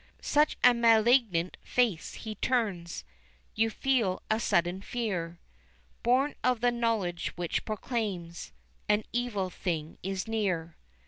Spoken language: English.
Such a malignant face he turns, You feel a sudden fear, Born of the knowledge which proclaims An evil thing is near.